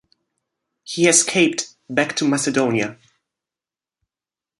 He escaped back to Macedonia.